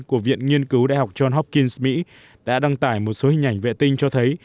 của viện nghiên cứu đại học john hock kings mỹ đã đăng tải một số hình ảnh vệ tinh cho thấy